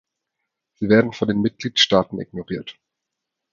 Sie werden von den Mitgliedstaaten ignoriert.